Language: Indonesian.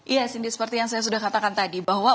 iya cindy seperti yang saya sudah katakan tadi bahwa